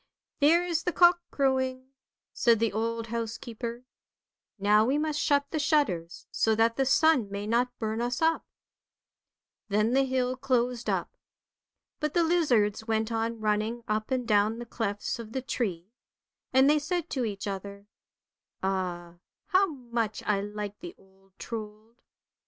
' There is the cock crowing! " said the old housekeeper. " Now we must shut the shutters, so that the sun may not burn us up." Then the hill closed up. But the lizards went on running up and down the clefts of the tree; and they said to each other, " Ah, how much I liked the old Trold."